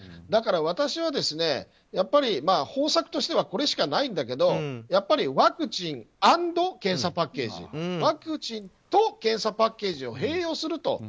だから、私は方策としてはこれしかないんだけどやっぱりワクチン＆検査パッケージワクチンと検査パッケージを併用すると。